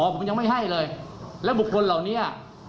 ผมยังไม่ให้เลยและบุคคลเหล่านี้